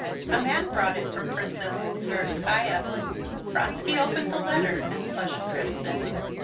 "A man brought it from Princess Tverskaya." Vronsky opened the letter, and flushed crimson.